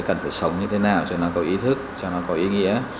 cần phải sống như thế nào cho nó có ý thức cho nó có ý nghĩa